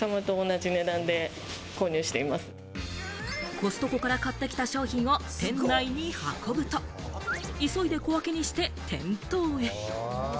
コストコから買ってきた商品を店内に運ぶと、急いで小分けにして店頭へ。